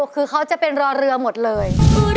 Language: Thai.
คือเขาจะเป็นรอเรือหมดเลย